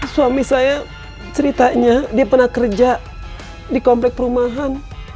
suami saya ceritanya dia pernah kerja di komplek perumahan